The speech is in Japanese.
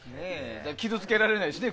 傷つけられないしね。